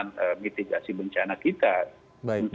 untuk menghadapi bencana hidrometeorologi itu gitu